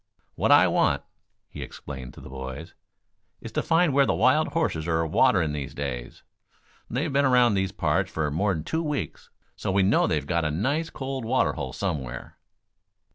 "What I want," he explained to the boys, "is to find where the wild horses are waterin' these days. They've been around these parts for more than two weeks, so we know they've got a nice cold water hole somewhere."